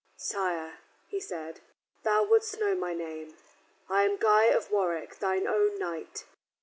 "Sire," he said, "thou wouldst know my name. I am Guy of Warwick, thine own knight.